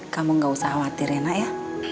kamu gak usah khawatir ya nak ya